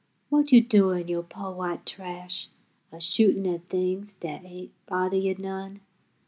What yo' doin' yo' po' white trash, A shootin' at things dat ain't bothuh'd yo' none?